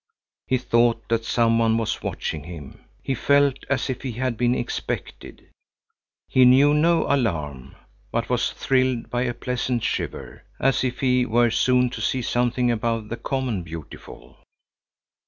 He thought that some one was watching him, he felt as if he had been expected. He knew no alarm, but was thrilled by a pleasant shiver, as if he were soon to see something above the common beautiful.